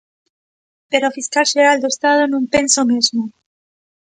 Pero o Fiscal Xeral do Estado non pensa o mesmo.